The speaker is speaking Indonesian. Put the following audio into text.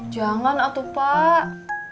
jangan atuh pak